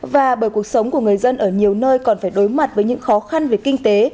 và bởi cuộc sống của người dân ở nhiều nơi còn phải đối mặt với những khó khăn về kinh tế